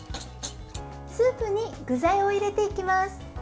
スープに具材を入れていきます。